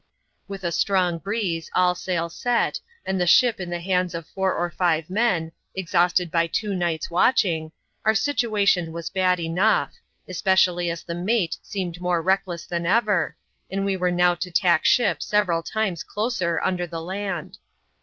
With a strong breeze, all sail set, and the ship in the hands of four or five men, exhausted by two nights' watching, our situation was bad enough ; especially as the mate seemed more reckless than ever, and we were now to tack ship several times closer under the land.